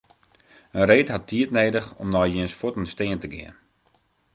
In reed hat tiid nedich om nei jins fuotten stean te gean.